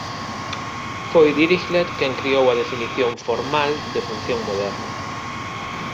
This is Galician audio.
Foi Dirichlet quen criou a definición "formal" de función moderna.